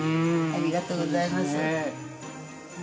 ありがとうございます。